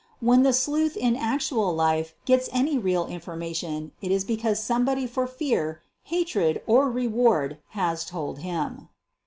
When the " sleuth' ' in actual life gets any real information it is because somebody for fear, hatred, or reward has told him.